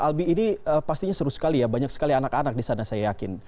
albi ini pastinya seru sekali ya banyak sekali anak anak di sana saya yakin